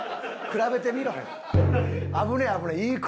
比べてみろ。